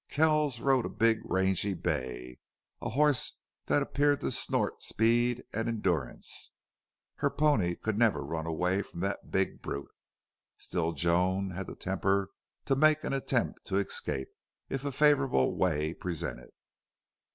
Kells rode a big rangy bay a horse that appeared to snort speed and endurance. Her pony could never run away from that big brute. Still Joan had the temper to make an attempt to escape, if a favorable way presented.